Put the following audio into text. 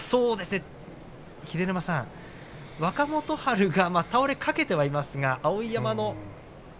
秀ノ山さん、若元春が倒れかけてはいますが碧山の。